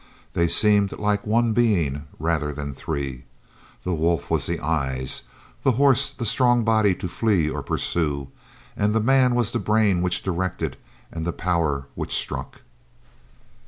They seemed like one being rather than three. The wolf was the eyes, the horse the strong body to flee or pursue, and the man was the brain which directed, and the power which struck.